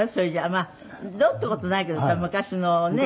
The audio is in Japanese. まあどうって事ないけどさ昔のねえ？